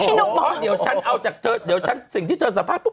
พี่หนุ่มพอเดี๋ยวฉันเอาจากเธอเดี๋ยวสิ่งที่เธอสามารถปุ๊บ